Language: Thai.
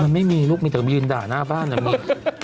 มันไม่มีลูกมีแต่มายืนด่าหน้าบ้านนะมี